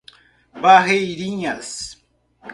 Barreirinhas